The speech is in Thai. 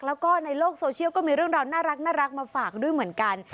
แล้วก็ในโลกโซเชียลก็มีเรื่องราวน่ารักมาฝากด้วยเหมือนกัน